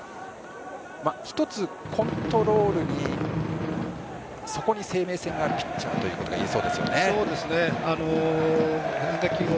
一つコントロールにそこに生命線があるピッチャーということでよさそうですよね。